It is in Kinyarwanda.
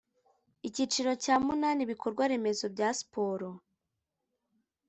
Icyiciro cya munani Ibikorwaremezo bya siporo